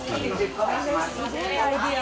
これすごいアイデア。